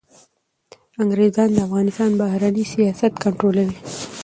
انګریزان د افغانستان بهرنی سیاست کنټرولوي.